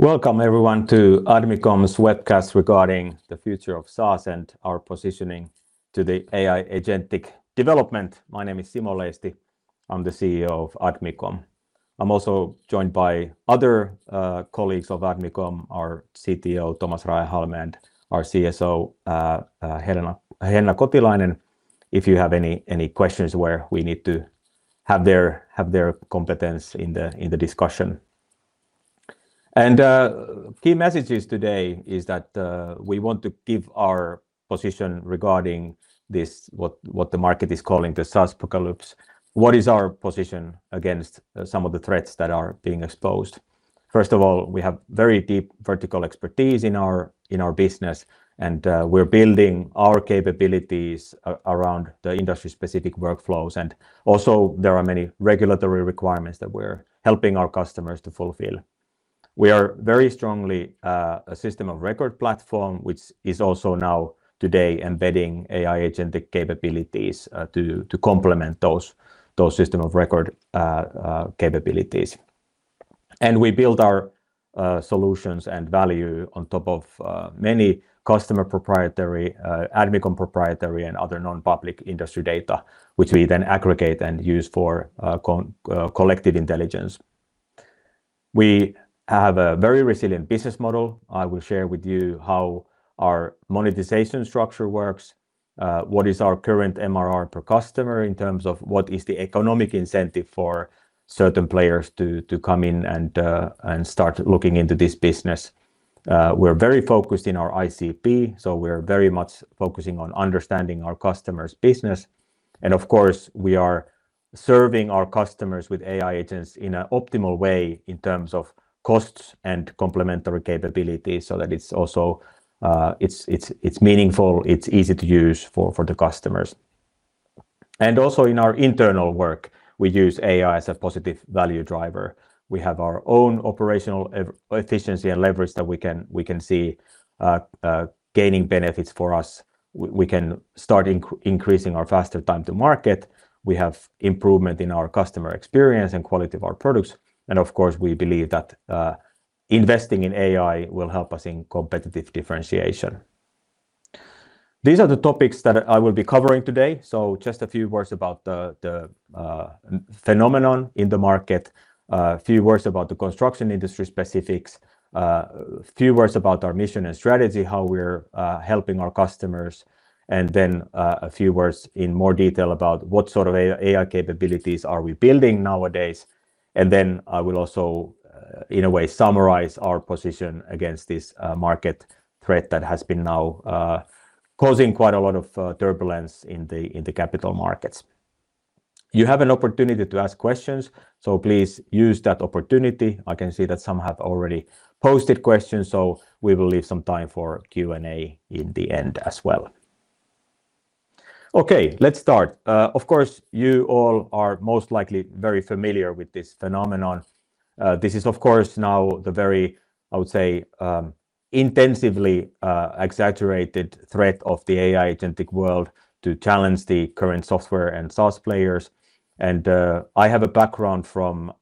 Welcome everyone to Admicom's webcast regarding the future of SaaS and our positioning to the AI agentic development. My name is Simo Leisti. I'm the CEO of Admicom. I'm also joined by other colleagues of Admicom, our CTO, Thomas Raehalme, and our CSO, Henna Kotilainen, if you have any questions where we need to have their competence in the discussion. Key messages today is that we want to give our position regarding this, what the market is calling the SaaSpocalypse. What is our position against some of the threats that are being exposed? First of all, we have very deep vertical expertise in our business, and we're building our capabilities around the industry-specific workflows. There are many regulatory requirements that we're helping our customers to fulfill. We are very strongly a system of record platform, which is also now today embedding AI agentic capabilities to complement those system of record capabilities. We build our solutions and value on top of many customer proprietary, Admicom proprietary, and other non-public industry data, which we then aggregate and use for collective intelligence. We have a very resilient business model. I will share with you how our monetization structure works, what is our current MRR per customer in terms of what is the economic incentive for certain players to come in and start looking into this business. We're very focused in our ICP, so we're very much focusing on understanding our customer's business. Of course, we are serving our customers with AI agents in an optimal way in terms of costs and complementary capabilities, so that it's also meaningful, it's easy to use for the customers. Also in our internal work, we use AI as a positive value driver. We have our own operational efficiency and leverage that we can see gaining benefits for us. We can start increasing our faster time to market. We have improvement in our customer experience and quality of our products, of course, we believe that investing in AI will help us in competitive differentiation. These are the topics that I will be covering today. Just a few words about the phenomenon in the market, a few words about the construction industry specifics, few words about our mission and strategy, how we're helping our customers, and then a few words in more detail about what sort of AI capabilities are we building nowadays. I will also, in a way, summarize our position against this market threat that has been now causing quite a lot of turbulence in the capital markets. You have an opportunity to ask questions, so please use that opportunity. I can see that some have already posted questions, so we will leave some time for Q&A in the end as well. Let's start. Of course, you all are most likely very familiar with this phenomenon. This is, of course, now the very, I would say, intensively, exaggerated threat of the AI agentic world to challenge the current software and SaaS players. I have a background from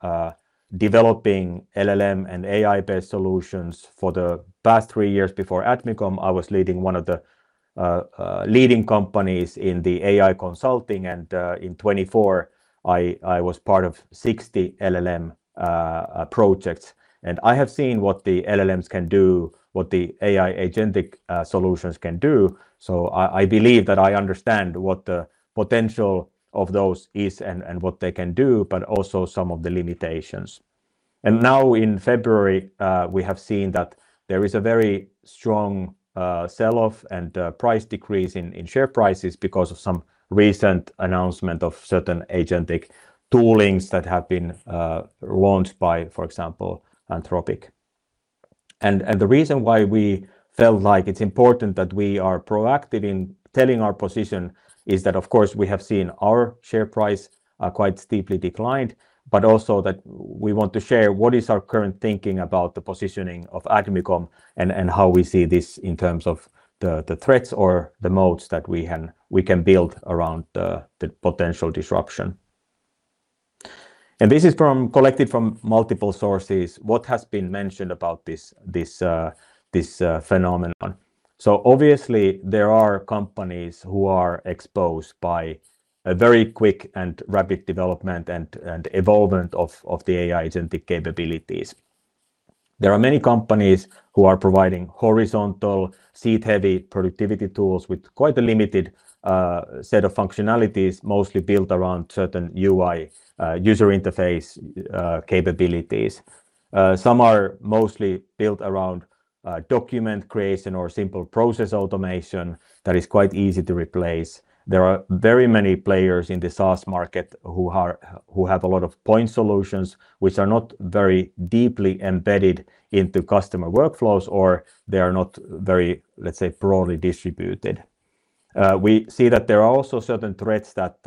developing LLM and AI-based solutions. For the past three years before Admicom, I was leading one of the leading companies in the AI consulting, in 2024, I was part of 60 LLM projects. I have seen what the LLMs can do, what the AI agentic solutions can do. I believe that I understand what the potential of those is and what they can do, but also some of the limitations. Now in February, we have seen that there is a very strong sell-off and price decrease in share prices because of some recent announcement of certain agentic toolings that have been launched by, for example, Anthropic. The reason why we felt like it's important that we are proactive in telling our position is that, of course, we have seen our share price quite steeply declined, but also that we want to share what is our current thinking about the positioning of Admicom and how we see this in terms of the threats or the moats that we can build around the potential disruption. This is from... collected from multiple sources. What has been mentioned about this phenomenon? Obviously, there are companies who are exposed by a very quick and rapid development and evolvement of the AI agentic capabilities. There are many companies who are providing horizontal, seat heavy productivity tools with quite a limited set of functionalities, mostly built around certain UI, user interface capabilities. Some are mostly built around document creation or simple process automation that is quite easy to replace. There are very many players in the SaaS market who have a lot of point solutions, which are not very deeply embedded into customer workflows, or they are not very, let's say, broadly distributed. We see that there are also certain threats that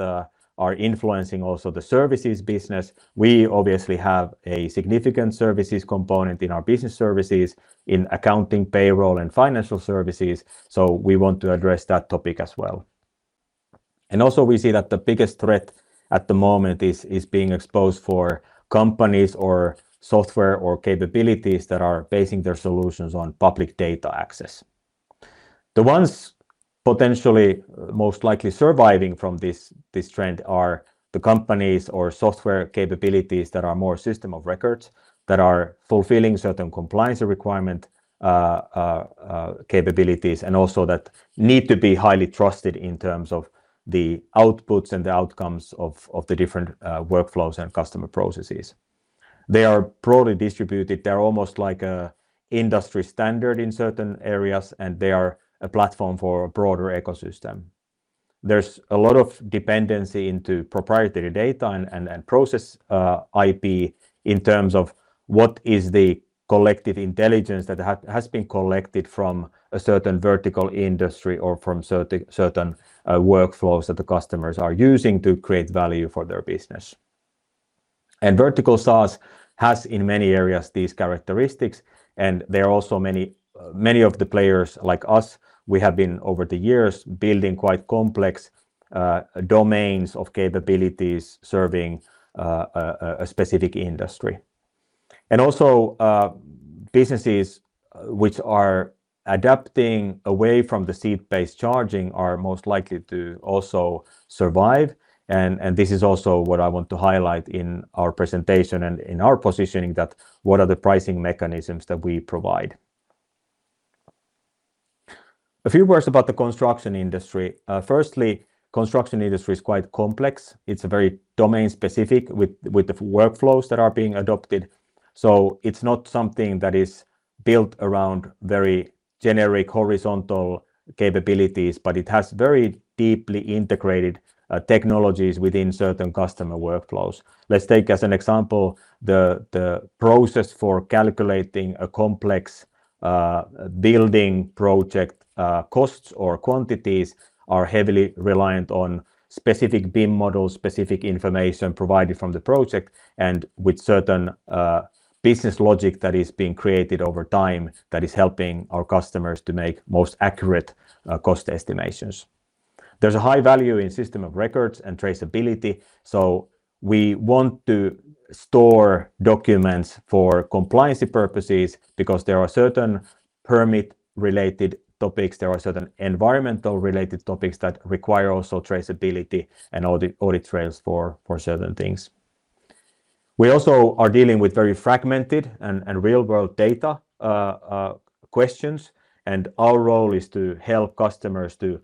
are influencing also the services business. We obviously have a significant services component in our business services, in accounting, payroll, and financial services. We want to address that topic as well. Also, we see that the biggest threat at the moment is being exposed for companies or software or capabilities that are basing their solutions on public data access. The ones potentially most likely surviving from this trend are the companies or software capabilities that are more system of records, that are fulfilling certain compliance requirement capabilities, and also that need to be highly trusted in terms of the outputs and the outcomes of the different workflows and customer processes. They are broadly distributed. They're almost like a industry standard in certain areas, and they are a platform for a broader ecosystem. There's a lot of dependency into proprietary data and process IP in terms of what is the collective intelligence that has been collected from a certain vertical industry or from certain workflows that the customers are using to create value for their business. Vertical SaaS has, in many areas, these characteristics, and there are also many of the players like us. We have been, over the years, building quite complex domains of capabilities, serving a specific industry. Also, businesses which are adapting away from the seat-based charging are most likely to also survive. This is also what I want to highlight in our presentation and in our positioning, that what are the pricing mechanisms that we provide? A few words about the construction industry. Firstly, construction industry is quite complex. It's very domain-specific with the workflows that are being adopted, so it's not something that is built around very generic horizontal capabilities, but it has very deeply integrated technologies within certain customer workflows. Let's take as an example, the process for calculating a complex building project costs or quantities are heavily reliant on specific BIM models, specific information provided from the project, and with certain business logic that is being created over time, that is helping our customers to make most accurate cost estimations. There's a high value in system of records and traceability, so we want to store documents for compliance purposes, because there are certain permit-related topics, there are certain environmental-related topics that require also traceability and audit trails for certain things. We also are dealing with very fragmented and real-world data questions, and our role is to help customers to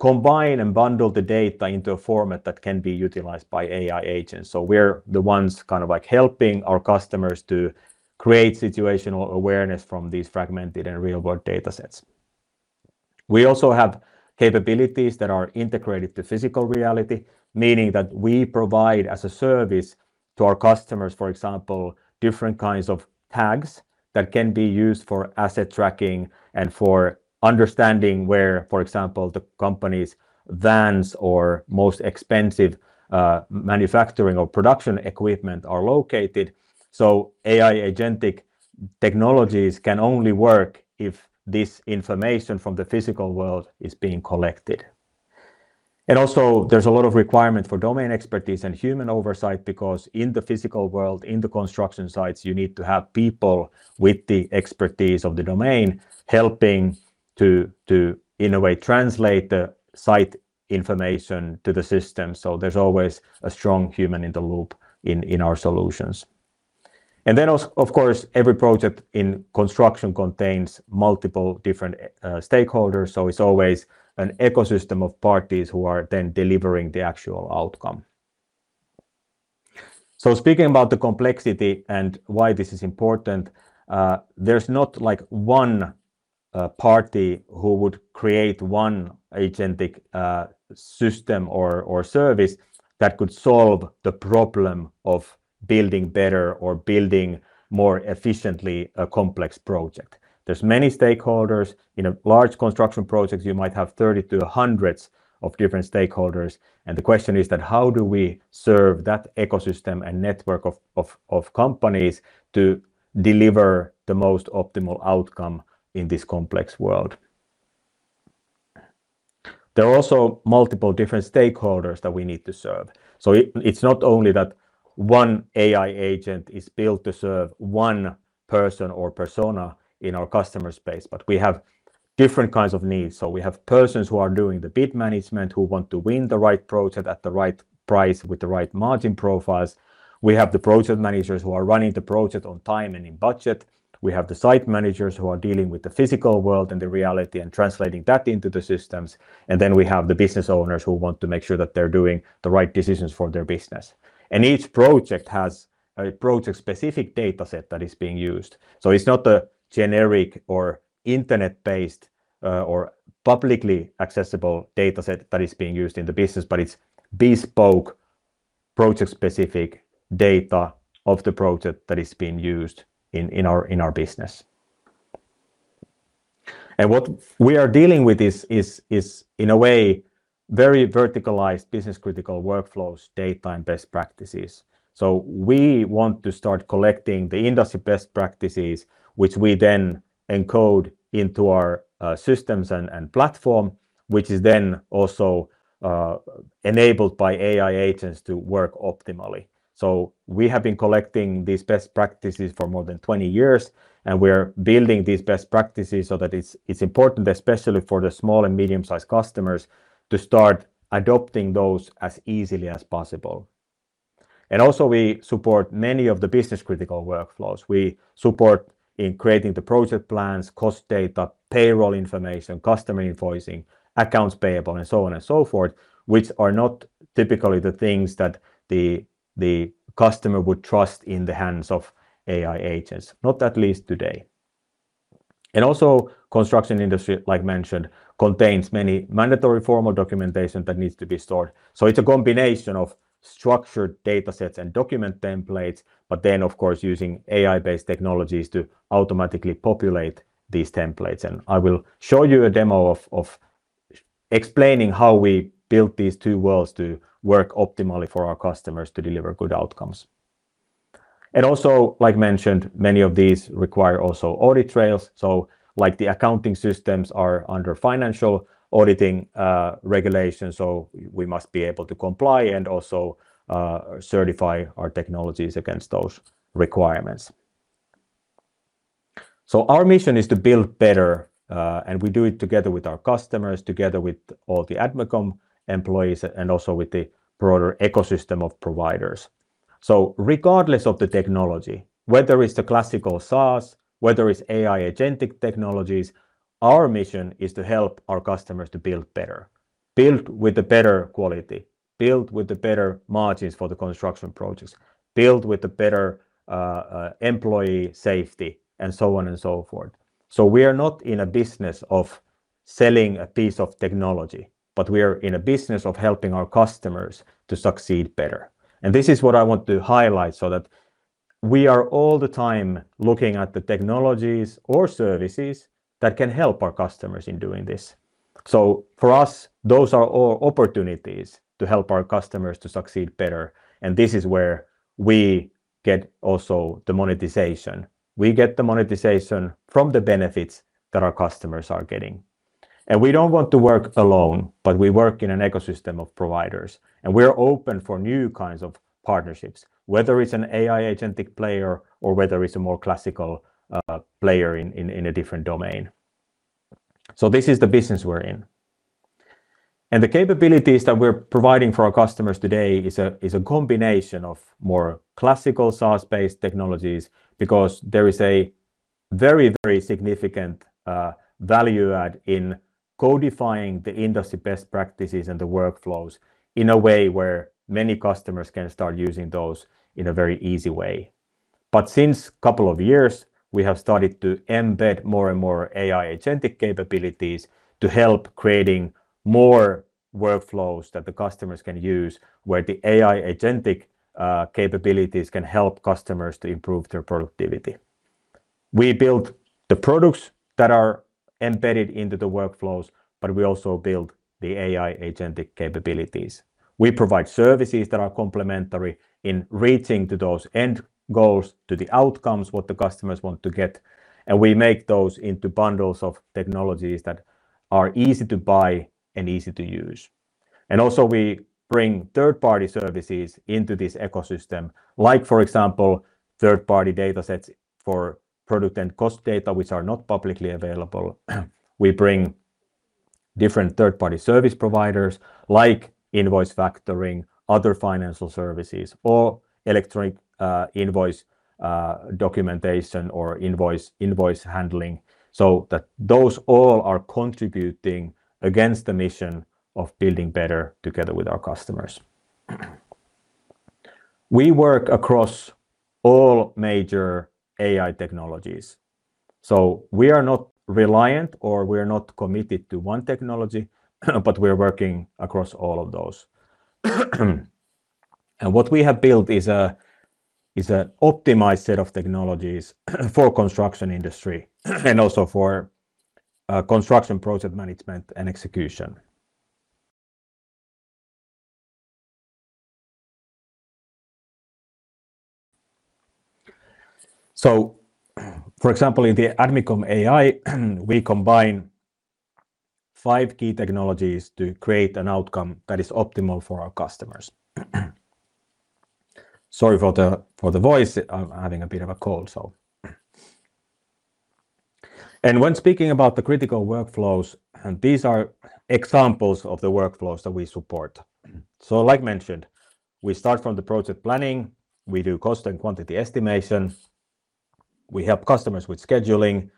combine and bundle the data into a format that can be utilized by AI agents. We're the ones kind of like helping our customers to create situational awareness from these fragmented and real-world datasets. We also have capabilities that are integrated to physical reality, meaning that we provide as a service to our customers, for example, different kinds of tags that can be used for asset tracking and for understanding where, for example, the company's vans or most expensive manufacturing or production equipment are located. AI agentic technologies can only work if this information from the physical world is being collected. Also, there's a lot of requirement for domain expertise and human oversight, because in the physical world, in the construction sites, you need to have people with the expertise of the domain helping to, in a way, translate the site information to the system. There's always a strong human in the loop in our solutions. Also, of course, every project in construction contains multiple different stakeholders, so it's always an ecosystem of parties who are then delivering the actual outcome. Speaking about the complexity and why this is important, there's not like one party who would create one agentic system or service that could solve the problem of building better or building more efficiently a complex project. There's many stakeholders. In a large construction project, you might have 30-100s of different stakeholders, the question is that, how do we serve that ecosystem and network of companies to deliver the most optimal outcome in this complex world. There are also multiple different stakeholders that we need to serve. It's not only that one AI agent is built to serve one person or persona in our customer space, but we have different kinds of needs. We have persons who are doing the bid management, who want to win the right project at the right price with the right margin profiles. We have the project managers who are running the project on time and in budget. We have the site managers who are dealing with the physical world and the reality and translating that into the systems. Then we have the business owners, who want to make sure that they're doing the right decisions for their business. Each project has a project-specific dataset that is being used. It's not a generic or internet-based or publicly accessible dataset that is being used in the business, but it's bespoke project-specific data of the project that is being used in our business. What we are dealing with is in a way, very verticalized business-critical workflows, data, and best practices. We want to start collecting the industry best practices, which we then encode into our systems and platform, which is then also enabled by AI agents to work optimally. We have been collecting these best practices for more than 20-years. We're building these best practices so that it's important, especially for the small and medium-sized customers, to start adopting those as easily as possible. We support many of the business-critical workflows. We support in creating the project plans, cost data, payroll information, customer invoicing, accounts payable, and so on and so forth, which are not typically the things that the customer would trust in the hands of AI agents, not at least today. Construction industry, like mentioned, contains many mandatory formal documentation that needs to be stored. It's a combination of structured data sets and document templates, but then, of course, using AI-based technologies to automatically populate these templates. I will show you a demo of explaining how we built these two worlds to work optimally for our customers to deliver good outcomes. Also, like mentioned, many of these require also audit trails. Like the accounting systems are under financial auditing regulations, so we must be able to comply and also certify our technologies against those requirements. Our mission is to build better, and we do it together with our customers, together with all the Admicom employees, and also with the broader ecosystem of providers. Regardless of the technology, whether it's the classical SaaS, whether it's AI agentic technologies, our mission is to help our customers to build better. Build with a better quality, build with the better margins for the construction projects, build with a better employee safety, and so on and so forth. We are not in a business of selling a piece of technology, but we are in a business of helping our customers to succeed better. This is what I want to highlight, so that we are all the time looking at the technologies or services that can help our customers in doing this. For us, those are all opportunities to help our customers to succeed better, and this is where we get also the monetization. We get the monetization from the benefits that our customers are getting. We don't want to work alone, but we work in an ecosystem of providers, and we're open for new kinds of partnerships, whether it's an AI agentic player or whether it's a more classical player in a different domain. This is the business we're in. The capabilities that we're providing for our customers today is a combination of more classical SaaS-based technologies, because there is a very significant value add in codifying the industry best practices and the workflows in a way where many customers can start using those in a very easy way. Since couple of years, we have started to embed more and more AI agentic capabilities to help creating more workflows that the customers can use, where the AI agentic capabilities can help customers to improve their productivity. We build the products that are embedded into the workflows, but we also build the AI agentic capabilities. We provide services that are complementary in reaching to those end goals, to the outcomes, what the customers want to get, and we make those into bundles of technologies that are easy to buy and easy to use. We bring third-party services into this ecosystem, like for example, third-party data sets for product and cost data, which are not publicly available. We bring different third-party service providers, like invoice factoring, other financial services, or electronic invoice documentation, or invoice handling, so that those all are contributing against the mission of building better together with our customers. We work across all major AI technologies, so we are not reliant, or we are not committed to one technology, but we're working across all of those. What we have built is an optimized set of technologies for construction industry and also for construction project management and execution. For example, in the Admicom AI, we combine five key technologies to create an outcome that is optimal for our customers. Sorry for the voice. I'm having a bit of a cold. When speaking about the critical workflows, and these are examples of the workflows that we support. Like I mentioned, we start from the project planning, we do cost and quantity estimation, we help customers with scheduling,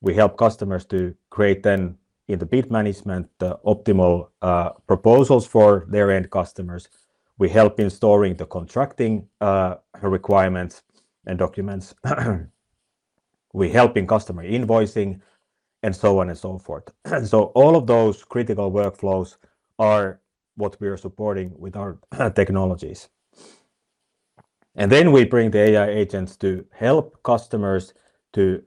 we help customers to create then in the bid management, the optimal proposals for their end customers. We help in storing the contracting requirements and documents. We help in customer invoicing, and so on and so forth. All of those critical workflows are what we are supporting with our technologies. We bring the AI agents to help customers to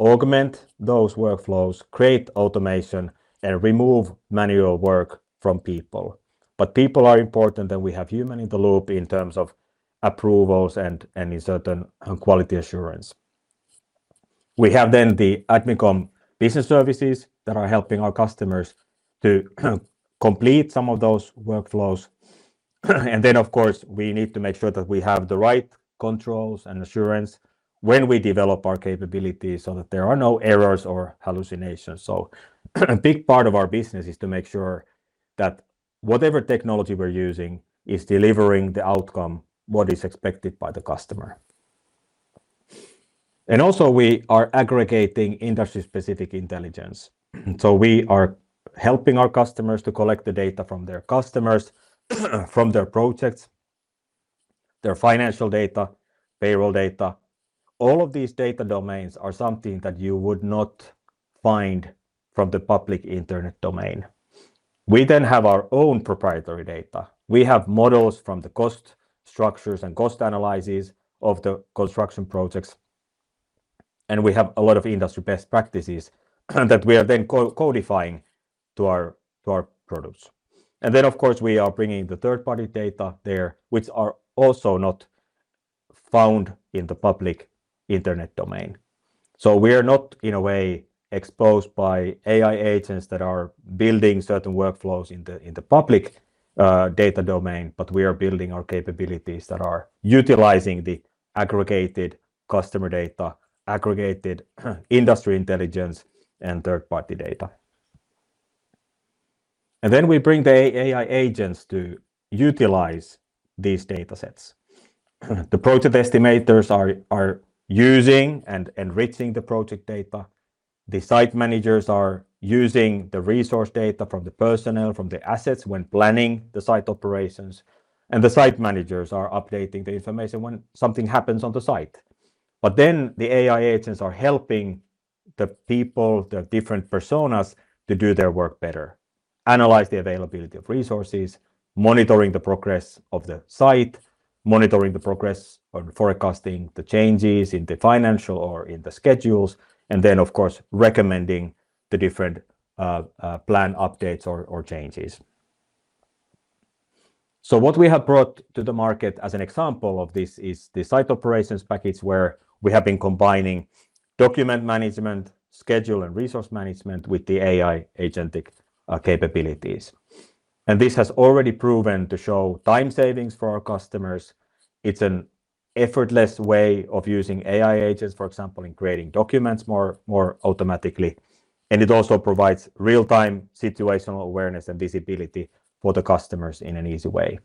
augment those workflows, create automation, and remove manual work from people. People are important, and we have human in the loop in terms of approvals and in certain quality assurance. We have the Admicom business services that are helping our customers to complete some of those workflows. Of course, we need to make sure that we have the right controls and assurance when we develop our capabilities so that there are no errors or hallucinations. A big part of our business is to make sure that whatever technology we're using is delivering the outcome, what is expected by the customer. Also, we are aggregating industry-specific intelligence. We are helping our customers to collect the data from their customers, from their projects, their financial data, payroll data. All of these data domains are something that you would not find from the public internet domain. We have our own proprietary data. We have models from the cost structures and cost analysis of the construction projects, and we have a lot of industry best practices that we are then co-codifying to our products. Of course, we are bringing the third-party data there, which are also not found in the public internet domain. We are not, in a way, exposed by AI agents that are building certain workflows in the public data domain, but we are building our capabilities that are utilizing the aggregated customer data, aggregated industry intelligence, and third-party data. We bring the AI agents to utilize these data sets. The project estimators are using and enriching the project data. The site managers are using the resource data from the personnel, from the assets when planning the site operations, and the site managers are updating the information when something happens on the site. The AI agents are helping the people, the different personas, to do their work better: analyze the availability of resources, monitoring the progress of the site, monitoring the progress or forecasting the changes in the financial or in the schedules, and then, of course, recommending the different plan updates or changes. What we have brought to the market as an example of this is the site operations package, where we have been combining document management, schedule and resource management with the AI agentic capabilities. This has already proven to show time savings for our customers. It's an effortless way of using AI agents, for example, in creating documents more automatically. It also provides real-time situational awareness and visibility for the customers in an easy way.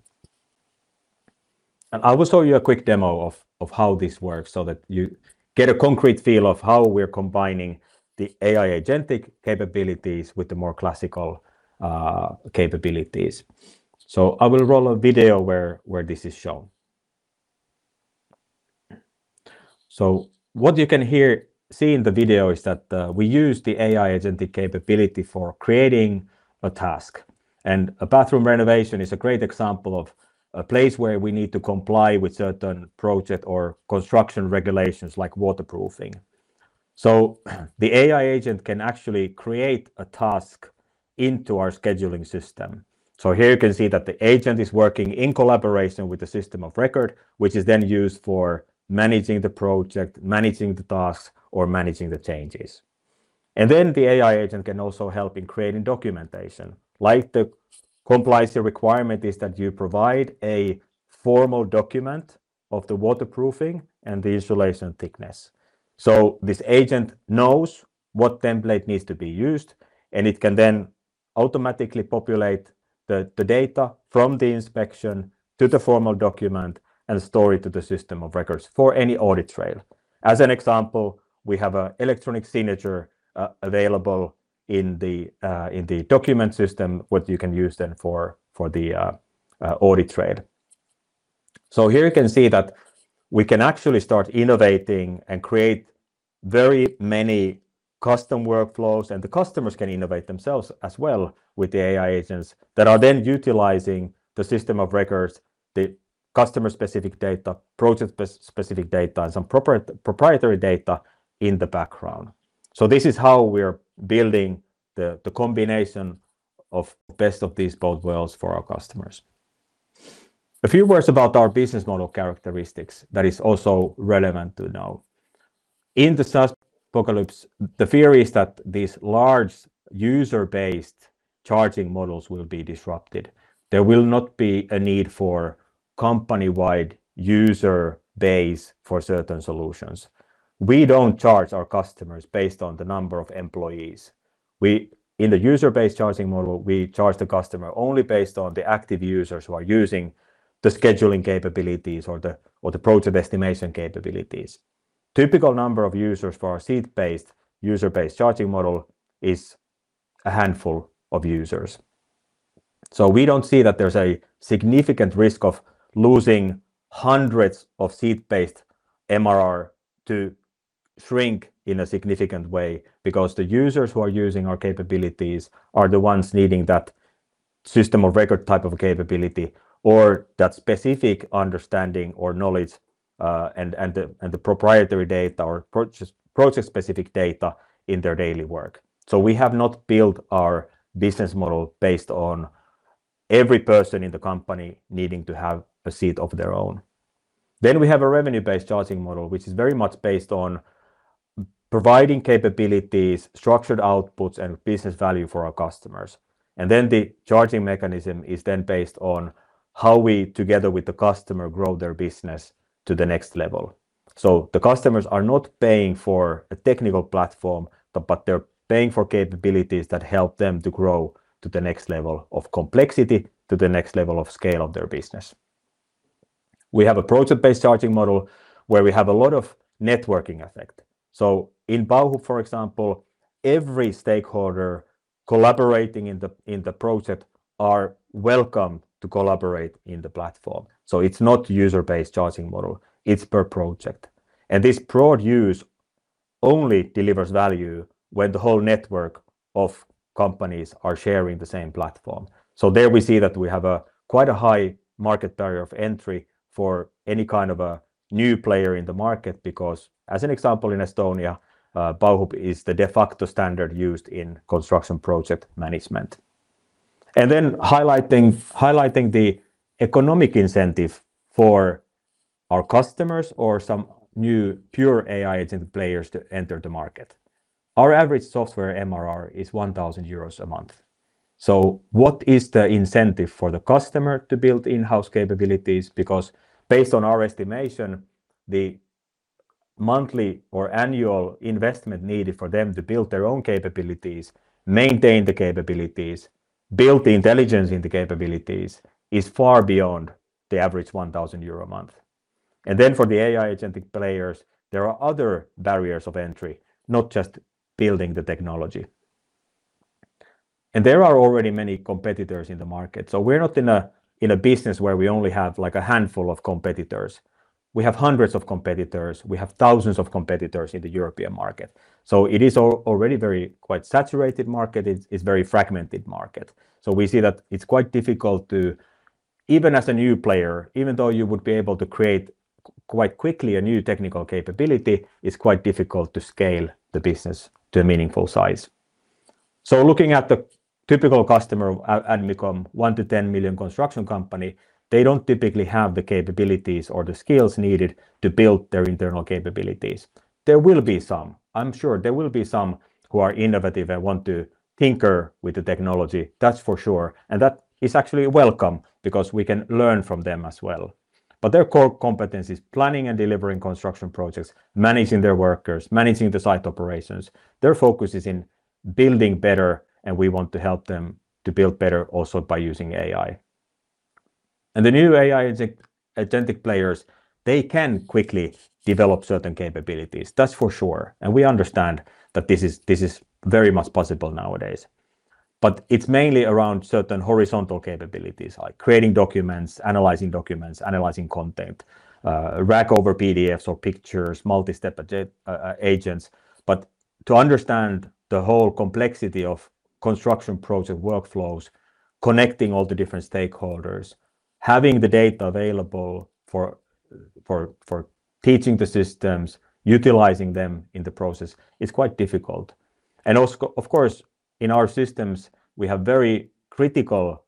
I will show you a quick demo of how this works so that you get a concrete feel of how we're combining the AI agentic capabilities with the more classical capabilities. I will roll a video where this is shown. What you can see in the video is that we use the AI agentic capability for creating a task, and a bathroom renovation is a great example of a place where we need to comply with certain project or construction regulations, like waterproofing. The AI agent can actually create a task into our scheduling system. Here you can see that the agent is working in collaboration with the system of record, which is then used for managing the project, managing the tasks, or managing the changes. The AI agent can also help in creating documentation, like the compliance requirement is that you provide a formal document of the waterproofing and the insulation thickness. This agent knows what template needs to be used, and it can then automatically populate the data from the inspection to the formal document and store it to the system of records for any audit trail. As an example, we have a electronic signature available in the document system, what you can use then for the audit trail. Here you can see that we can actually start innovating and create very many custom workflows, and the customers can innovate themselves as well with the AI agents that are then utilizing the system of records, the customer-specific data, project-specific data, and some proprietary data in the background. This is how we're building the combination of best of these both worlds for our customers. A few words about our business model characteristics that is also relevant to know. In the SaaSpocalypse, the theory is that these large user-based charging models will be disrupted. There will not be a need for company-wide user base for certain solutions. We don't charge our customers based on the number of employees. We, in the user-based charging model, we charge the customer only based on the active users who are using the scheduling capabilities or the project estimation capabilities. Typical number of users for our seat-based, user-based charging model is a handful of users. We don't see that there's a significant risk of losing hundreds of seat-based MRR to shrink in a significant way because the users who are using our capabilities are the ones needing that system of record type of capability or that specific understanding or knowledge, and the proprietary data or project-specific data in their daily work. We have not built our business model based on every person in the company needing to have a seat of their own. We have a revenue-based charging model, which is very much based on providing capabilities, structured outputs, and business value for our customers. The charging mechanism is then based on how we, together with the customer, grow their business to the next level. The customers are not paying for a technical platform, but they're paying for capabilities that help them to grow to the next level of complexity, to the next level of scale of their business. We have a project-based charging model, where we have a lot of networking effect. In Bauhub, for example, every stakeholder collaborating in the project are welcome to collaborate in the platform. It's not user-based charging model, it's per project. This broad use only delivers value when the whole network of companies are sharing the same platform. There we see that we have a quite a high market barrier of entry for any kind of a new player in the market, because, as an example, in Estonia, Bauhub is the de facto standard used in construction project management. Highlighting the economic incentive for our customers or some new pure AI agent players to enter the market. Our average software MRR is 1,000 euros a month. What is the incentive for the customer to build in-house capabilities? Based on our estimation, the monthly or annual investment needed for them to build their own capabilities, maintain the capabilities, build the intelligence in the capabilities, is far beyond the average 1,000 euro a month. For the AI agentic players, there are other barriers of entry, not just building the technology. There are already many competitors in the market, so we're not in a business where we only have, like, a handful of competitors. We have hundreds of competitors. We have thousands of competitors in the European market. It is already very quite saturated market. It's very fragmented market. We see that it's quite difficult to, even as a new player, even though you would be able to create quite quickly a new technical capability, it's quite difficult to scale the business to a meaningful size. Looking at the typical customer at Admicom, 1 million-10 million construction company, they don't typically have the capabilities or the skills needed to build their internal capabilities. There will be some, I'm sure. There will be some who are innovative and want to tinker with the technology, that's for sure, and that is actually welcome because we can learn from them as well. Their core competence is planning and delivering construction projects, managing their workers, managing the site operations. Their focus is in building better, we want to help them to build better also by using AI. The new AI agentic players, they can quickly develop certain capabilities. That's for sure, we understand that this is very much possible nowadays. It's mainly around certain horizontal capabilities, like creating documents, analyzing documents, analyzing content, RAG over PDFs or pictures, multi-step agents. To understand the whole complexity of construction project workflows, connecting all the different stakeholders, having the data available for teaching the systems, utilizing them in the process, is quite difficult. Also, of course, in our systems, we have very critical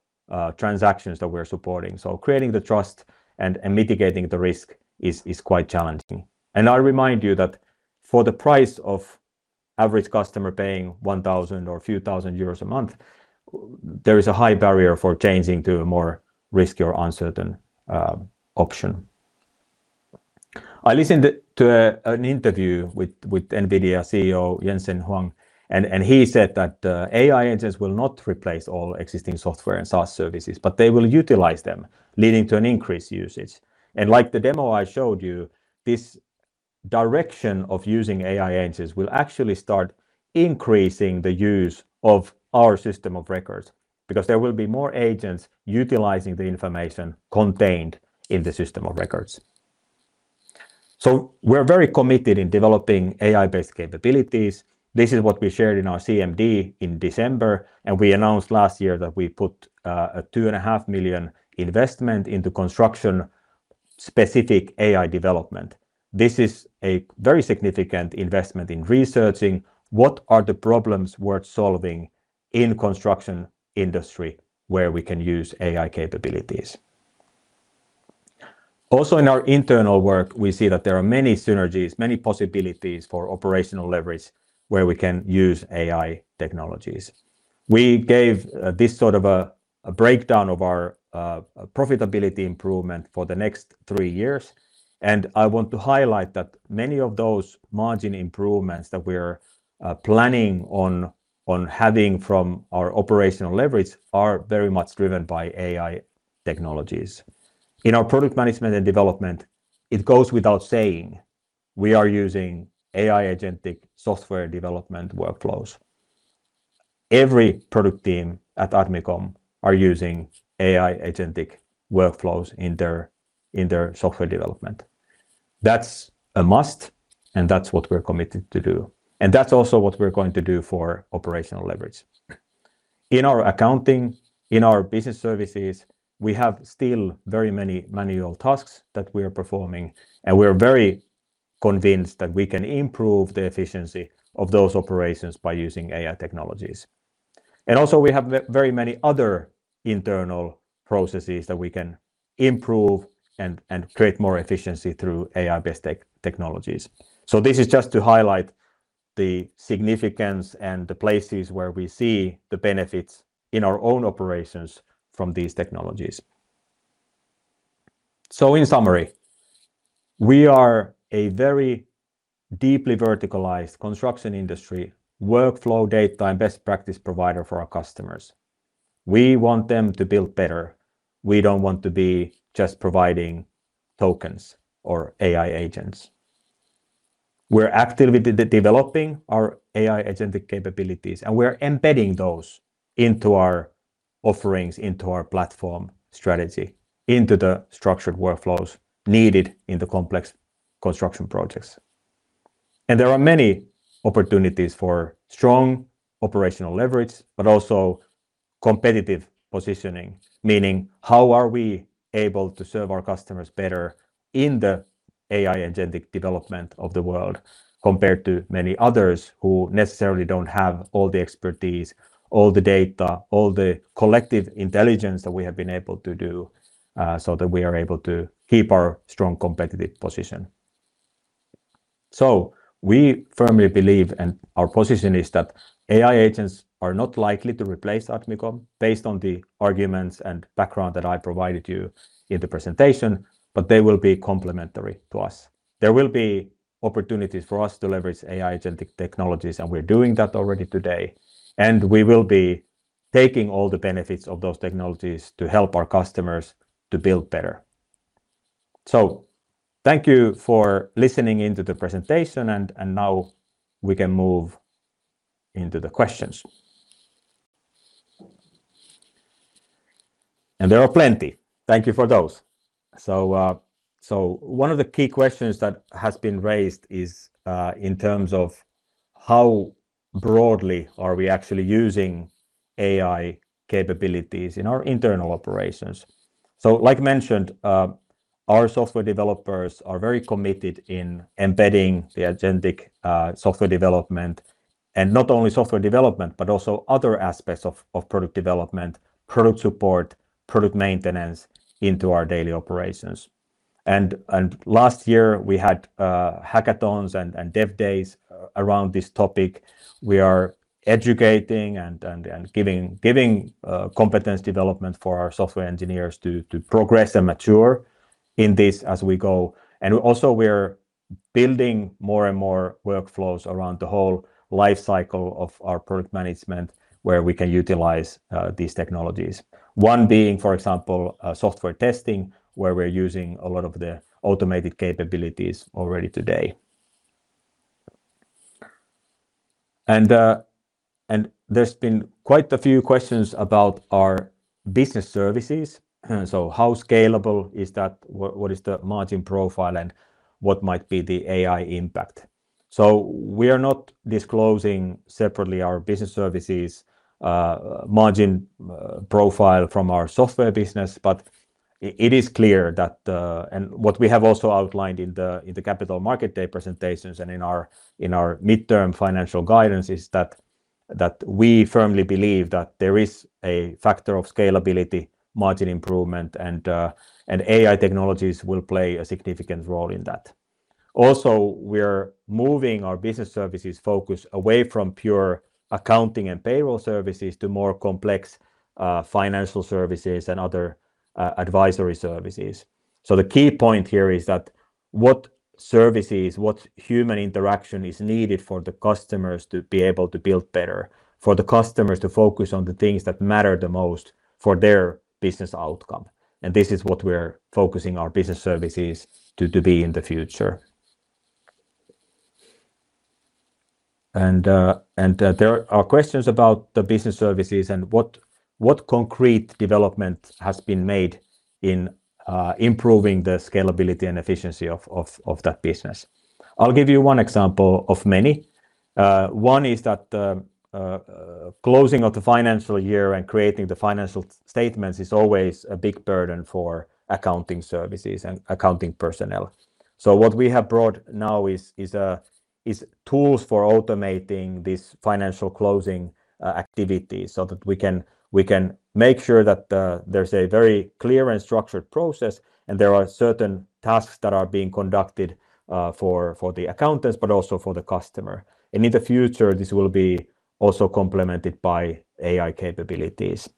transactions that we're supporting. Creating the trust and mitigating the risk is quite challenging. I remind you that for the price of average customer paying 1,000 or a few 1,000 euros a month, there is a high barrier for changing to a more risky or uncertain option. I listened to an interview with NVIDIA CEO Jensen Huang, he said that "AI agents will not replace all existing software and SaaS services, but they will utilize them, leading to an increased usage." Like the demo I showed you, this direction of using AI agents will actually start increasing the use of our system of records because there will be more agents utilizing the information contained in the system of records. We're very committed in developing AI-based capabilities. This is what we shared in our CMD in December. We announced last year that we put a 2.5 million investment into construction-specific AI development. This is a very significant investment in researching what are the problems worth solving in construction industry, where we can use AI capabilities. Also, in our internal work, we see that there are many synergies, many possibilities for operational leverage where we can use AI technologies. We gave this sort of a breakdown of our profitability improvement for the next three years, and I want to highlight that many of those margin improvements that we're planning on having from our operational leverage are very much driven by AI technologies. In our product management and development, it goes without saying, we are using AI agentic software development workflows. Every product team at Admicom are using AI agentic workflows in their software development. That's a must, and that's what we're committed to do. And that's also what we're going to do for operational leverage. In our accounting, in our business services, we have still very many manual tasks that we are performing. We are very convinced that we can improve the efficiency of those operations by using AI technologies. Also, we have very many other internal processes that we can improve and create more efficiency through AI-based technologies. This is just to highlight the significance and the places where we see the benefits in our own operations from these technologies. In summary, we are a very deeply verticalized construction industry, workflow, data, and best practice provider for our customers. We want them to build better. We don't want to be just providing tokens or AI agents. We're actively developing our AI agentic capabilities, and we're embedding those into our offerings, into our platform strategy, into the structured workflows needed in the complex construction projects. There are many opportunities for strong operational leverage, but also competitive positioning, meaning: How are we able to serve our customers better in the AI agentic development of the world, compared to many others who necessarily don't have all the expertise, all the data, all the collective intelligence that we have been able to do, so that we are able to keep our strong competitive position? We firmly believe, and our position is, that AI agents are not likely to replace Admicom based on the arguments and background that I provided you in the presentation, but they will be complementary to us. There will be opportunities for us to leverage AI agentic technologies, and we're doing that already today, and we will be taking all the benefits of those technologies to help our customers to build better. Thank you for listening in to the presentation, now we can move into the questions. There are plenty. Thank you for those. One of the key questions that has been raised is in terms of how broadly are we actually using AI capabilities in our internal operations? Like mentioned, our software developers are very committed in embedding the agentic software development, and not only software development, but also other aspects of product development, product support, product maintenance into our daily operations. Last year, we had hackathons and dev days around this topic. We are educating and giving competence development for our software engineers to progress and mature in this as we go. Also, we're building more and more workflows around the whole life cycle of our product management, where we can utilize these technologies. One being, for example, software testing, where we're using a lot of the automated capabilities already today. There's been quite a few questions about our business services. How scalable is that? What is the margin profile, and what might be the AI impact? We are not disclosing separately our business services' margin profile from our software business, but it is clear that. What we have also outlined in the Capital Market Day presentations and in our midterm financial guidance, is that we firmly believe that there is a factor of scalability, margin improvement, and AI technologies will play a significant role in that. We're moving our business services focus away from pure accounting and payroll services to more complex financial services and other advisory services. The key point here is that what services, what human interaction is needed for the customers to be able to build better, for the customers to focus on the things that matter the most for their business outcome? This is what we're focusing our business services to be in the future. There are questions about the business services and what concrete development has been made in improving the scalability and efficiency of that business? I'll give you one example of many. One is that closing out the financial year and creating the financial statements is always a big burden for accounting services and accounting personnel. What we have brought now is tools for automating this financial closing activity so that we can make sure that there's a very clear and structured process, and there are certain tasks that are being conducted for the accountants, but also for the customer. In the future, this will be also complemented by AI capabilities.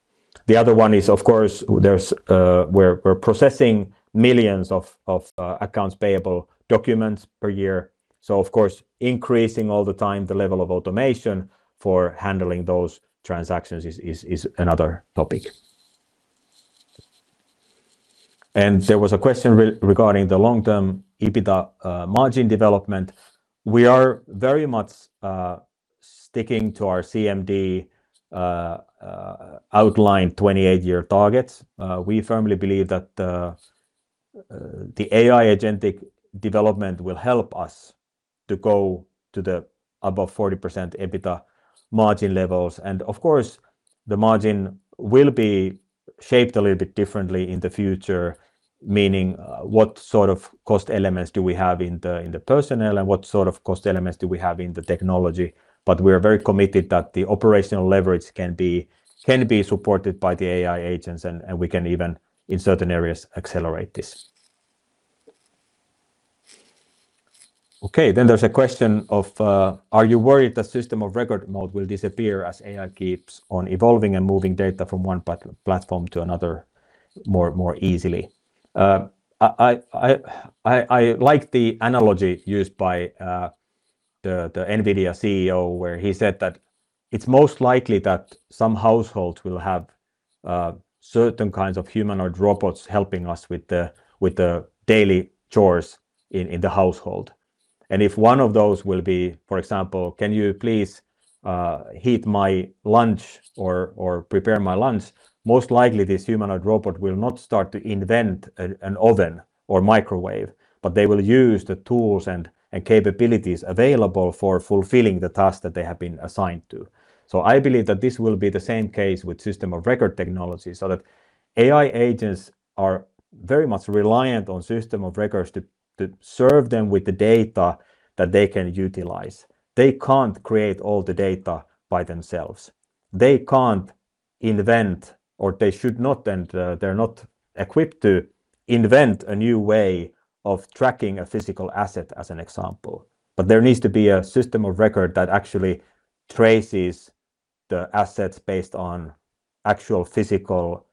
The other one is, of course, there's we're processing millions of accounts payable documents per year. Of course, increasing all the time the level of automation for handling those transactions is another topic. There was a question regarding the long-term EBITDA margin development. We are very much sticking to our CMD outlined 28-year targets. We firmly believe that the AI agentic development will help us to go to the above 40% EBITDA margin levels. Of course, the margin will be shaped a little bit differently in the future, meaning what sort of cost elements do we have in the personnel, and what sort of cost elements do we have in the technology? We are very committed that the operational leverage can be supported by the AI agents, we can even, in certain areas, accelerate this. Okay, there's a question of: "Are you worried the system of record mode will disappear as AI keeps on evolving and moving data from one platform to another more easily?" I like the analogy used by the NVIDIA CEO, where he said that it's most likely that some households will have certain kinds of humanoid robots helping us with the daily chores in the household. If one of those will be, for example, "Can you please heat my lunch or prepare my lunch?" Most likely, this humanoid robot will not start to invent an oven or microwave, but they will use the tools and capabilities available for fulfilling the task that they have been assigned to. I believe that this will be the same case with system of record technology, so that AI agents are very much reliant on system of records to serve them with the data that they can utilize. They can't create all the data by themselves. They can't invent, or they should not, and they're not equipped to invent a new way of tracking a physical asset, as an example. There needs to be a system of record that actually traces the assets based on actual physical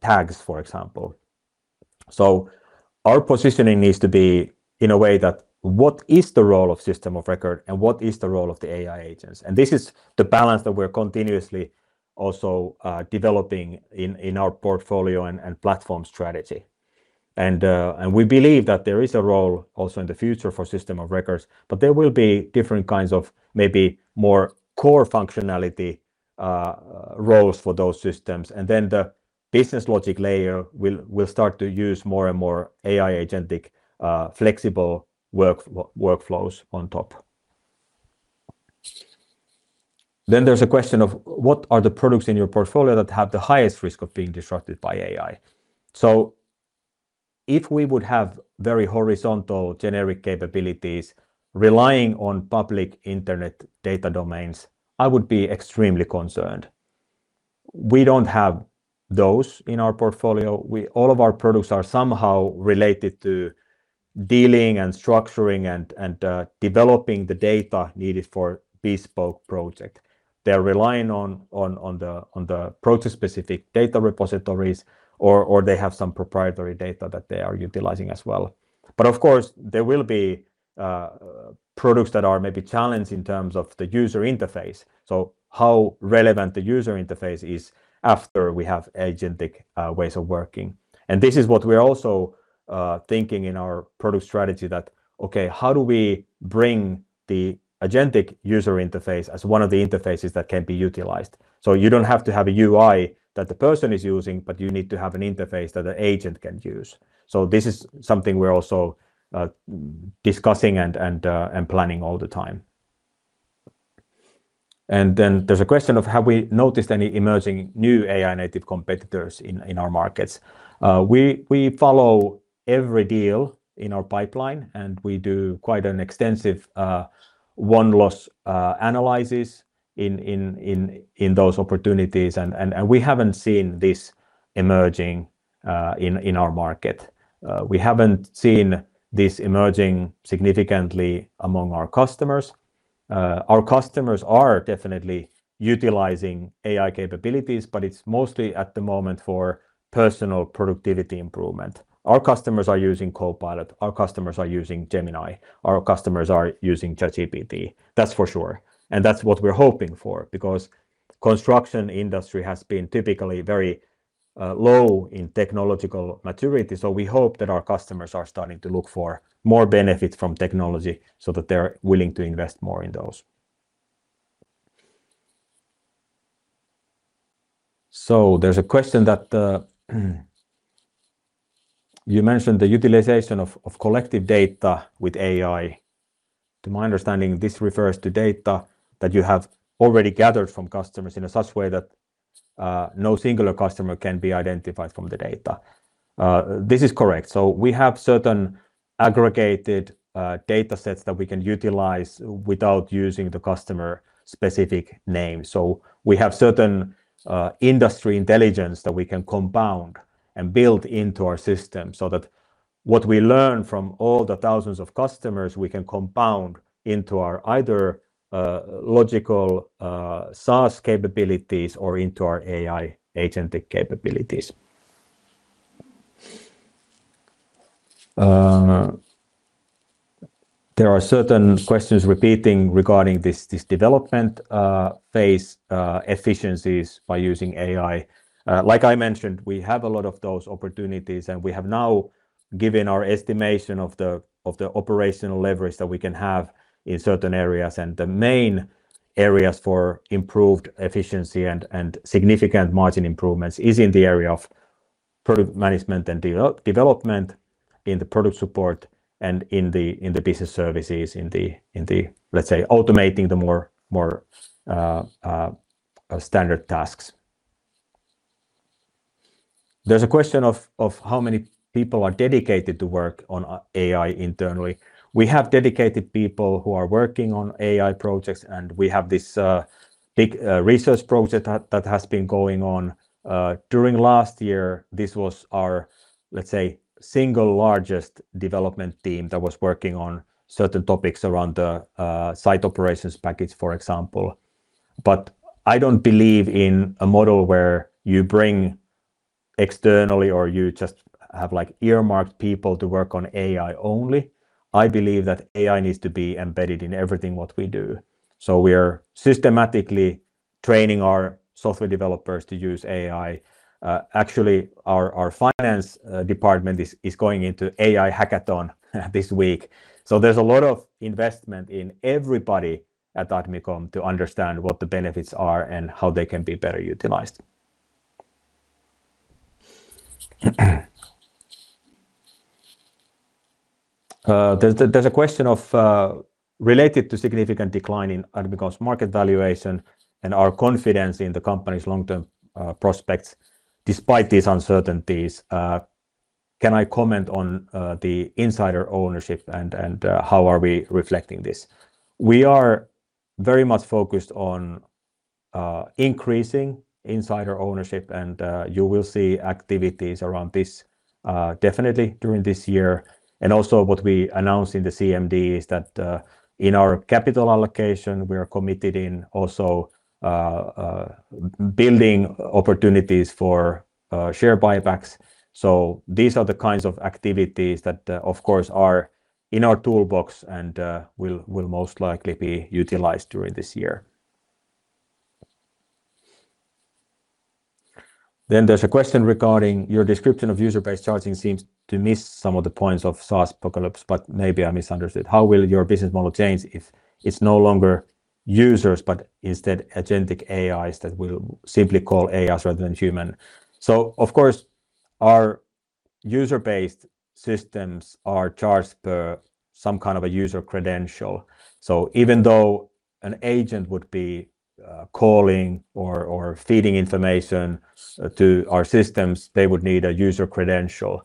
tags, for example. Our positioning needs to be in a way that what is the role of system of record and what is the role of the AI agents? This is the balance that we're continuously also developing in our portfolio and platform strategy. We believe that there is a role also in the future for system of records, but there will be different kinds of maybe more core functionality roles for those systems. The business logic layer will start to use more and more AI agentic flexible workflows on top. There's a question of: "What are the products in your portfolio that have the highest risk of being disrupted by AI?" If we would have very horizontal, generic capabilities relying on public internet data domains, I would be extremely concerned. We don't have those in our portfolio. All of our products are somehow related to dealing and structuring and developing the data needed for bespoke project. They're relying on the project-specific data repositories, or they have some proprietary data that they are utilizing as well. Of course, there will be products that are maybe challenged in terms of the user interface. How relevant the user interface is after we have agentic ways of working. This is what we are also thinking in our product strategy that, okay, how do we bring the agentic user interface as one of the interfaces that can be utilized? You don't have to have a UI that the person is using, but you need to have an interface that the agent can use. This is something we're also discussing and planning all the time. There's a question of: "Have we noticed any emerging new AI-native competitors in our markets?" We follow every deal in our pipeline, and we do quite an extensive one loss analysis in those opportunities, and we haven't seen this emerging in our market. We haven't seen this emerging significantly among our customers. Our customers are definitely utilizing AI capabilities, but it's mostly at the moment for personal productivity improvement. Our customers are using Copilot, our customers are using Gemini, our customers are using ChatGPT. That's for sure, and that's what we're hoping for, because construction industry has been typically very low in technological maturity. We hope that our customers are starting to look for more benefit from technology so that they're willing to invest more in those. There's a question that, "You mentioned the utilization of collective data with AI. To my understanding, this refers to data that you have already gathered from customers in a such way that no singular customer can be identified from the data." This is correct. We have certain aggregated datasets that we can utilize without using the customer-specific name. We have certain industry intelligence that we can compound and build into our system so that what we learn from all the thousands of customers, we can compound into our either logical SaaS capabilities or into our AI agentic capabilities. There are certain questions repeating regarding this development phase efficiencies by using AI. Like I mentioned, we have a lot of those opportunities, we have now given our estimation of the operational leverage that we can have in certain areas. The main areas for improved efficiency and significant margin improvements is in the area of product management and development, in the product support, and in the business services, in the, let's say, automating the more standard tasks. There's a question of how many people are dedicated to work on AI internally. We have dedicated people who are working on AI projects, and we have this big research project that has been going on. During last year, this was our, let's say, single largest development team that was working on certain topics around the site operations package, for example. I don't believe in a model where you bring externally or you just have, like, earmarked people to work on AI only. I believe that AI needs to be embedded in everything what we do. We are systematically training our software developers to use AI. Actually, our finance department is going into AI hackathon this week. There's a lot of investment in everybody at Admicom to understand what the benefits are and how they can be better utilized. There's a question of related to significant decline in Admicom's market valuation and our confidence in the company's long-term prospects, despite these uncertainties, can I comment on the insider ownership and how are we reflecting this? We are very much focused on increasing insider ownership, you will see activities around this definitely during this year. What we announced in the CMD is that in our capital allocation, we are committed in also building opportunities for share buybacks. These are the kinds of activities that, of course, are in our toolbox and will most likely be utilized during this year. There's a question regarding: "Your description of user-based charging seems to miss some of the points of SaaSpocalypse, but maybe I misunderstood. How will your business model change if it's no longer users, but instead agentic AIs that we'll simply call AIs rather than human?" Of course, our user-based systems are charged per some kind of a user credential. Even though an agent would be calling or feeding information to our systems, they would need a user credential.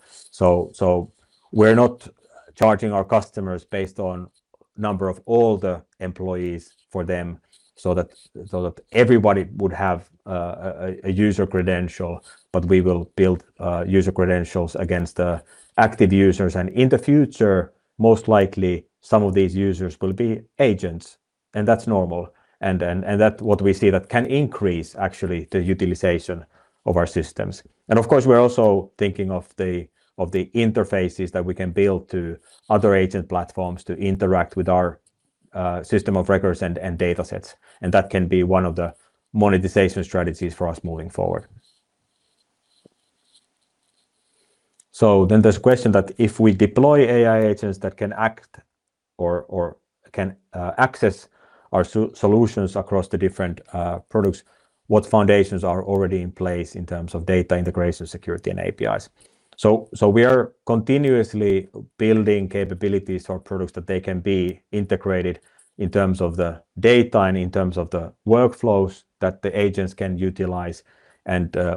We're not charging our customers based on number of all the employees for them, so that everybody would have a user credential, but we will build user credentials against the active users. In the future, most likely, some of these users will be agents, and that's normal. What we see, that can increase actually the utilization of our systems. Of course, we're also thinking of the interfaces that we can build to other agent platforms to interact with our system of records and data sets. That can be one of the monetization strategies for us moving forward. There's question that if we deploy AI agents that can act or can access our solutions across the different products, what foundations are already in place in terms of data integration, security, and APIs? We are continuously building capabilities for products that they can be integrated in terms of the data and in terms of the workflows that the agents can utilize.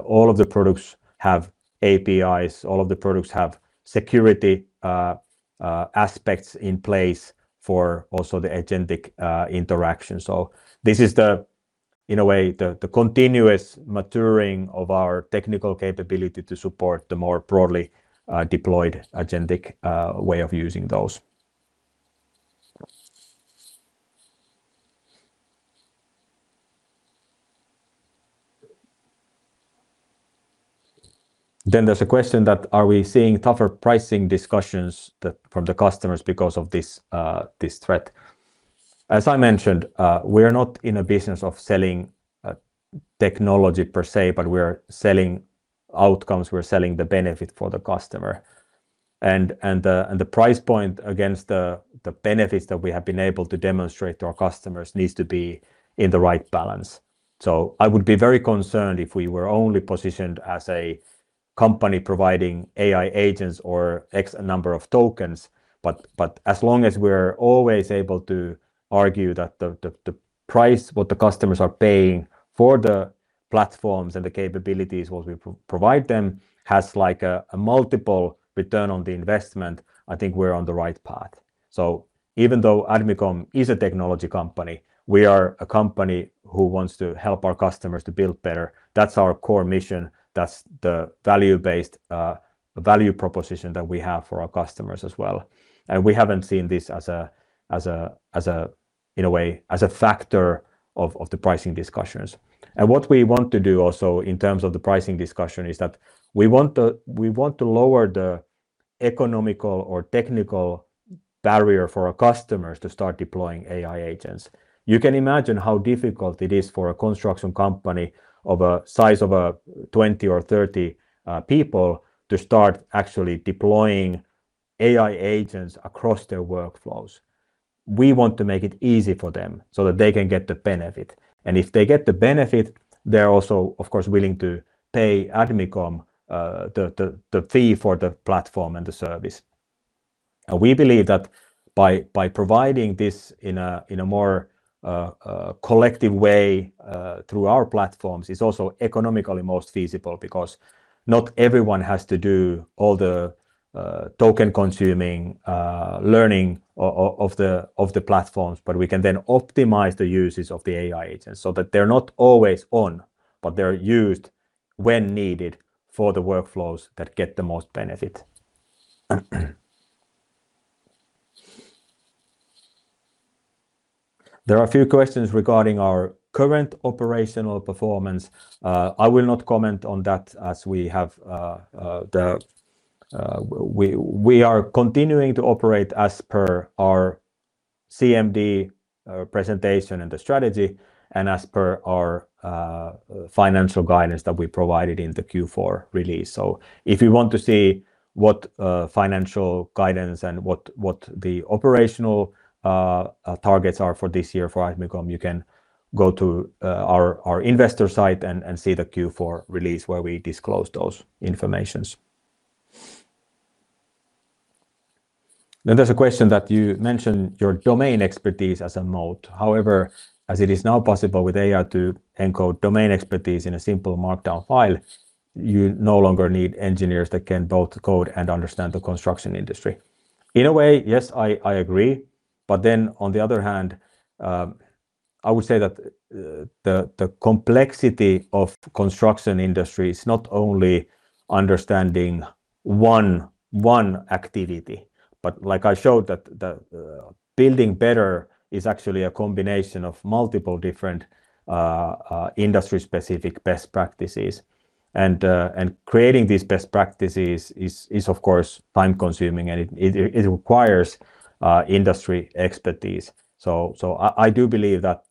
All of the products have APIs, all of the products have security aspects in place for also the agentic interaction. This is the, in a way, the continuous maturing of our technical capability to support the more broadly deployed agentic way of using those. There's a question that, "Are we seeing tougher pricing discussions from the customers because of this threat?" As I mentioned, we are not in a business of selling technology per se, but we are selling outcomes. We're selling the benefit for the customer. The price point against the benefits that we have been able to demonstrate to our customers needs to be in the right balance. I would be very concerned if we were only positioned as a company providing AI agents or X number of tokens. As long as we're always able to argue that the price, what the customers are paying for the platforms and the capabilities what we provide them has like a multiple return on the investment, I think we're on the right path. Even though Admicom is a technology company, we are a company who wants to help our customers to build better. That's our core mission, that's the value-based value proposition that we have for our customers as well. We haven't seen this as a factor of the pricing discussions. What we want to do also in terms of the pricing discussion, is that we want to lower the economical or technical barrier for our customers to start deploying AI agents. You can imagine how difficult it is for a construction company of a size of 20 people or 30 people to start actually deploying AI agents across their workflows. We want to make it easy for them so that they can get the benefit. If they get the benefit, they're also, of course, willing to pay Admicom, the fee for the platform and the service. We believe that by providing this in a more collective way through our platforms, is also economically most feasible because not everyone has to do all the token-consuming learning of the platforms, but we can then optimize the uses of the AI agents so that they're not always on, but they're used when needed for the workflows that get the most benefit. There are a few questions regarding our current operational performance. I will not comment on that as we have the... We are continuing to operate as per our CMD presentation and the strategy, and as per our financial guidance that we provided in the Q4 release. If you want to see what financial guidance and what the operational targets are for this year for Admicom, you can go to our investor site and see the Q4 release where we disclose those informations. There's a question that you mentioned your domain expertise as a moat. However, as it is now possible with AI to encode domain expertise in a simple markdown file, you no longer need engineers that can both code and understand the construction industry. In a way, yes, I agree. On the other hand, I would say that the complexity of construction industry is not only understanding one activity, but like I showed, that the building better is actually a combination of multiple different industry-specific best practices. Creating these best practices is, of course, time-consuming, and it requires industry expertise. I do believe that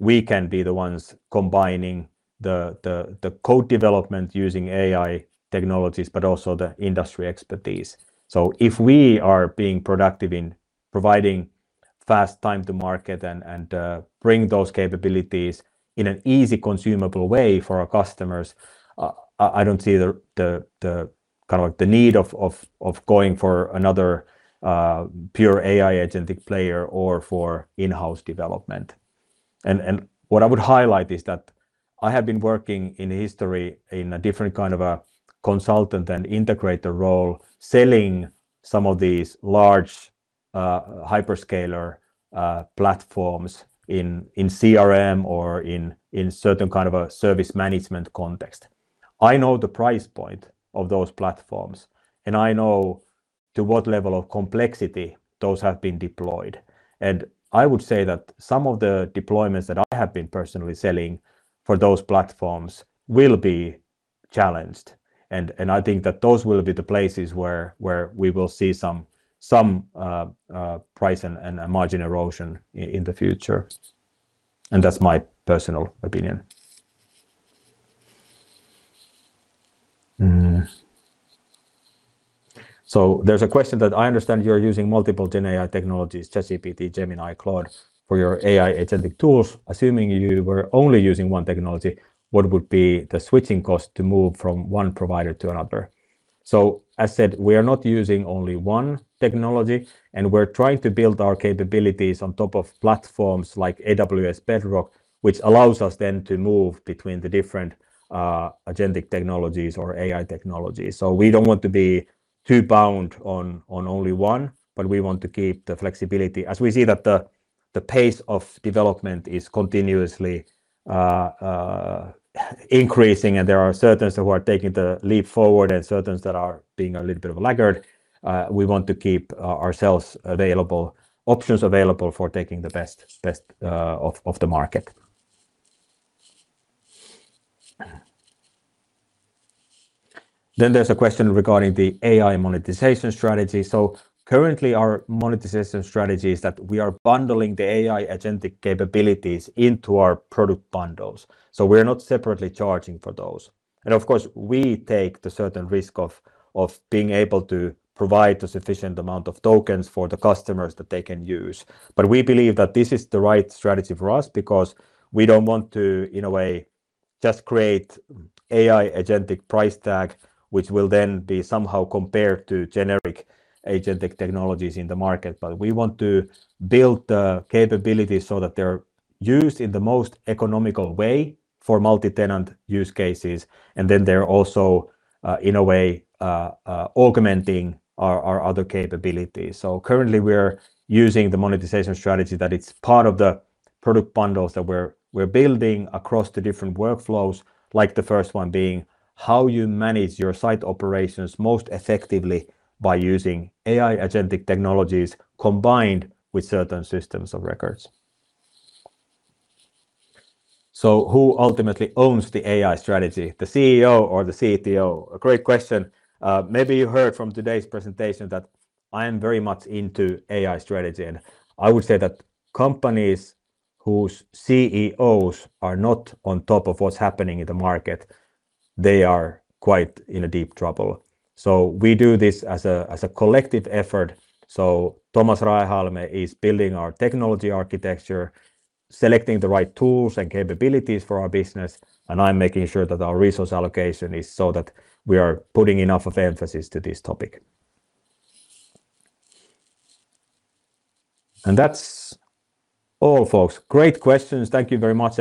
we can be the ones combining the code development using AI technologies, but also the industry expertise. If we are being productive in providing fast time to market and bring those capabilities in an easy, consumable way for our customers, I don't see the kind of like the need of going for another pure AI agentic player or for in-house development. What I would highlight is that I have been working in history in a different kind of a consultant and integrator role, selling some of these large hyperscaler platforms in CRM or in certain kind of a service management context. I know the price point of those platforms, and I know to what level of complexity those have been deployed. I would say that some of the deployments that I have been personally selling for those platforms will be challenged, and I think that those will be the places where we will see some price and margin erosion in the future. That's my personal opinion. There's a question that I understand you're using multiple GenAI technologies, ChatGPT, Gemini, Claude, for your AI agentic tools. Assuming you were only using one technology, what would be the switching cost to move from one provider to another? As said, we are not using only one technology, and we're trying to build our capabilities on top of platforms like AWS Bedrock, which allows us then to move between the different agentic technologies or AI technologies. We don't want to be too bound on only one, but we want to keep the flexibility. As we see that the pace of development is continuously increasing, and there are certains who are taking the leap forward and certains that are being a little bit of a laggard, we want to keep ourselves available, options available for taking the best of the market. There's a question regarding the AI monetization strategy. Currently, our monetization strategy is that we are bundling the AI agentic capabilities into our product bundles, so we're not separately charging for those. Of course, we take the certain risk of being able to provide a sufficient amount of tokens for the customers that they can use. We believe that this is the right strategy for us because we don't want to, in a way, just create AI agentic price tag, which will then be somehow compared to generic agentic technologies in the market. We want to build the capabilities so that they're used in the most economical way for multi-tenant use cases, and then they're also, in a way, augmenting our other capabilities. Currently, we're using the monetization strategy that it's part of the product bundles that we're building across the different workflows, like the first one being, how you manage your site operations most effectively by using AI agentic technologies combined with certain systems of records. Who ultimately owns the AI strategy, the CEO or the CTO? A great question. Maybe you heard from today's presentation that I am very much into AI strategy, I would say that companies whose CEOs are not on top of what's happening in the market, they are quite in a deep trouble. We do this as a, as a collective effort. Thomas Raehalme is building our technology architecture, selecting the right tools and capabilities for our business, I'm making sure that our resource allocation is so that we are putting enough of emphasis to this topic. That's all, folks. Great questions. Thank you very much.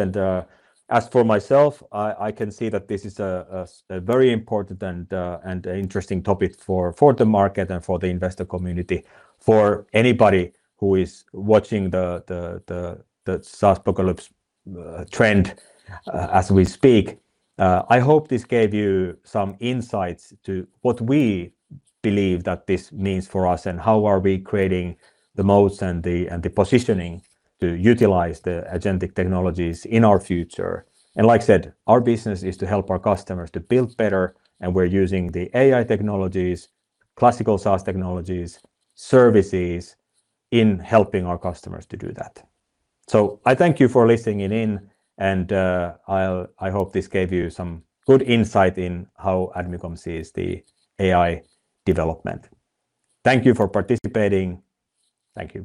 As for myself, I can see that this is a very important and interesting topic for the market and for the investor community, for anybody who is watching the SaaSpocalypse trend as we speak. I hope this gave you some insights to what we believe that this means for us and how are we creating the moats and the, and the positioning to utilize the agentic technologies in our future. Like I said, our business is to help our customers to build better, and we're using the AI technologies, classical SaaS technologies, services in helping our customers to do that. I thank you for listening it in, and I hope this gave you some good insight in how Admicom sees the AI development. Thank you for participating. Thank you.